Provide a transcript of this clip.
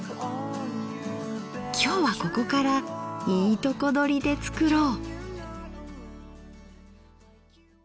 今日はここからいいとこ取りで作ろう。